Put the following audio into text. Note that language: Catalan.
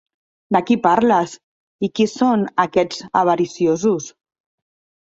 De qui parles? I qui són, aquests avariciosos?